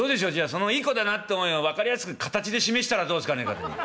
そのいい子だなって思いを分かりやすく形で示したらどうすかね」。